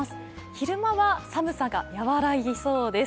昼間は寒さが和らぎそうです。